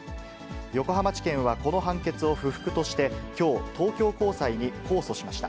横浜地検はこの判決を不服としてきょう、東京高裁に控訴しました。